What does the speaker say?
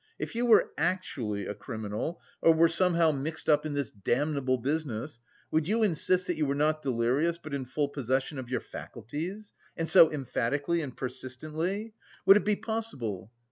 If you were actually a criminal, or were somehow mixed up in this damnable business, would you insist that you were not delirious but in full possession of your faculties? And so emphatically and persistently? Would it be possible?